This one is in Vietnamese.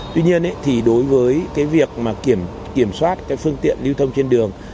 tuy nhiên đối với việc kiểm soát phương tiện lưu thông trên đường